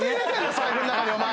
財布の中にお前！